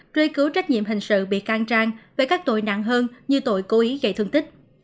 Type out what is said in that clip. truy cứu trách nhiệm hình sự bị can trang về các tội nặng hơn như tội cố ý gây thương tích